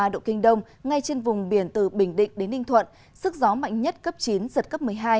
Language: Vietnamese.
một trăm một mươi ba độ kinh đông ngay trên vùng biển từ bình định đến ninh thuận sức gió mạnh nhất cấp chín giật cấp một mươi hai